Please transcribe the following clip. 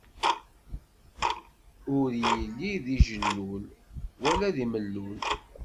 Ur illi di jillul, wala di millul.